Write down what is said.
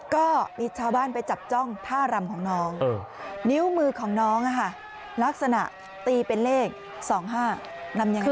ก็มีชาวบ้านไปจับจ้องท่ารำของน้องนิ้วมือของน้องลักษณะตีเป็นเลข๒๕นำยังไง